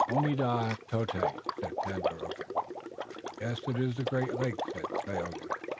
"Oneadatote," said Tandakora. "Yes, it is the great lake," said Tayoga.